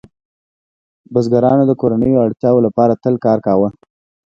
بزګرانو د کورنیو اړتیاوو لپاره تل کار کاوه.